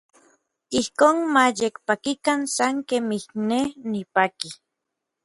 Ijkon ma yekpakikan san kemij n nej nipaki.